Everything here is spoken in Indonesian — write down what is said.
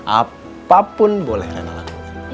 apapun boleh reyna lakukan